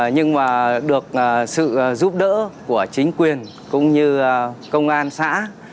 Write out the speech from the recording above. nhưng mà được sự giúp đỡ của chính quyền cũng như công an xã